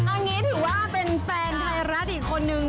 เอางี้ถือว่าเป็นแฟนไทยรัฐอีกคนนึง